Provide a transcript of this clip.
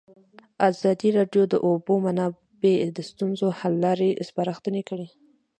ازادي راډیو د د اوبو منابع د ستونزو حل لارې سپارښتنې کړي.